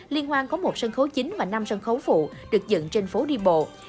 liên hoan có một sân khấu chính và năm sân khấu phụ được dựng trên phố đi bộ